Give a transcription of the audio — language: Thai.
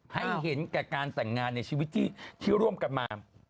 ให้เห็นแก่การแต่งงานในชีวิตที่ร่วมกันมา